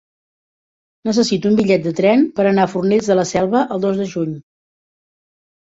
Necessito un bitllet de tren per anar a Fornells de la Selva el dos de juny.